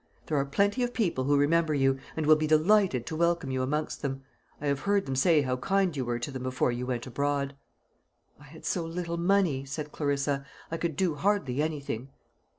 There are plenty of people who remember you, and will be delighted to welcome you amongst them. I have heard them say how kind you were to them before you went abroad." "I had so little money," said Clarissa, "I could do hardly anything."